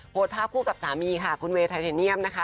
โพสต์ภาพคู่กับสามีค่ะคุณเวย์ไทเทเนียมนะคะ